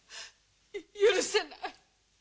許せない。